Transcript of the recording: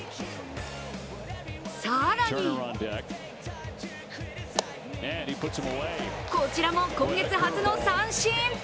更にこちらも今月初の三振。